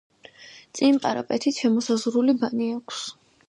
წინ პარაპეტით შემოსაზღვრული ბანი აქვს.